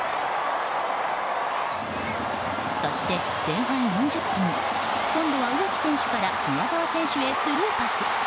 そして、前半４０分今度は植木選手から宮澤選手へスルーパス。